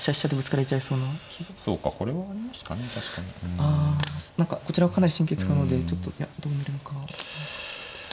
ああ何かこちらはかなり神経使うのでちょっといやどうやるのかは。